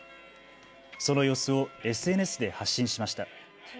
その様子をＳＮＳで発信しました。